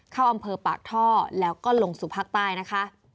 เข้าอำเภอปากท่อแล้วก็ลงสู่ภาคใต้นะคะ